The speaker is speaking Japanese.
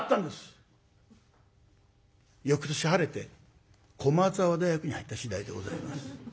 翌年晴れて駒澤大学に入った次第でございます。